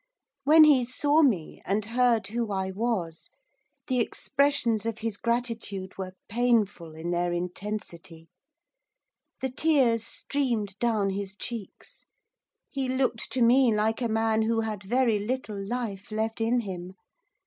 When he saw me, and heard who I was, the expressions of his gratitude were painful in their intensity. The tears streamed down his cheeks. He looked to me like a man who had very little life left in him.